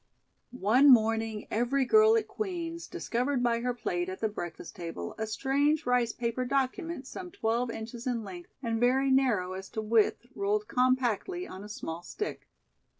One morning every girl at Queen's discovered by her plate at the breakfast table a strange rice paper document some twelve inches in length and very narrow as to width, rolled compactly on a small stick.